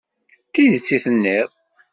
D tidet i d-tenniḍ.